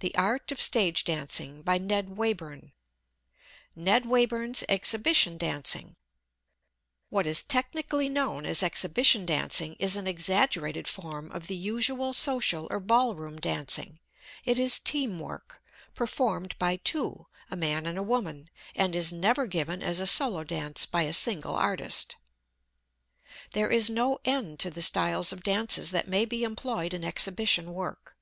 [Illustration: NW] NED WAYBURN'S EXHIBITION DANCING What is technically known as Exhibition Dancing is an exaggerated form of the usual social or ballroom dancing. It is "team" work, performed by two, a man and a woman, and is never given as a solo dance, by a single artist. There is no end to the styles of dances that may be employed in exhibition work.